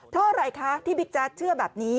เพราะอะไรคะที่บิ๊กแจ๊ดเชื่อแบบนี้